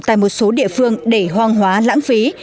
tại một số địa phương để hoang hóa lãng phí